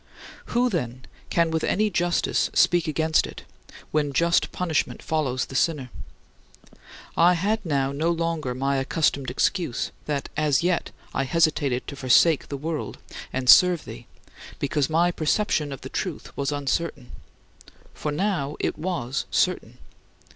Who, then, can with any justice speak against it, when just punishment follows the sinner? I had now no longer my accustomed excuse that, as yet, I hesitated to forsake the world and serve thee because my perception of the truth was uncertain. For now it was certain.